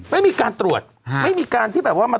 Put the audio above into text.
ไม่มีการตรวจไม่มีการที่แบบว่ามา